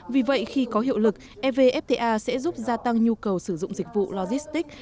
vì vậy khi có hiệu lực evfta sẽ giúp gia tăng nhu cầu sử dụng dịch vụ logistics